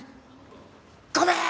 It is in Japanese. ごめーん。